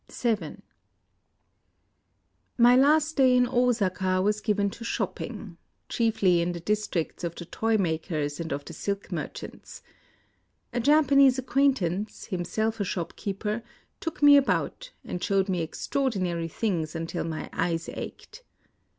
VII My last day in Osaka was given to shop ping, — chiefly in the districts of the toy mak ers and of the silk merchants. A Japanese acquaintance, himself a shopkeeper, took me about, and showed me extraordinary things until my eyes ached.